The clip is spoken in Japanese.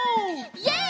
イエイ！